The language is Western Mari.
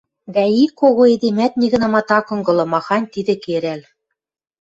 Дӓ ик кого эдемӓт нигынамат ак ынгылы, маханьы тидӹ керӓл!